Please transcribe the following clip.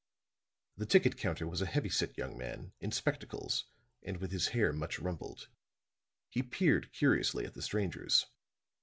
The ticket counter was a heavy set young man, in spectacles and with his hair much rumpled. He peered curiously at the strangers.